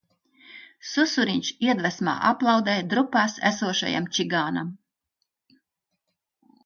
Susuriņš iedvesmā aplaudē drupās esošajam čigānam.